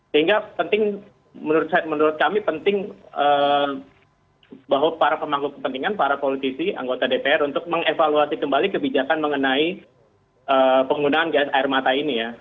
sehingga penting menurut kami penting bahwa para pemangku kepentingan para politisi anggota dpr untuk mengevaluasi kembali kebijakan mengenai penggunaan gas air mata ini ya